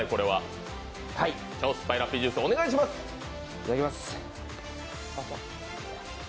いただきます。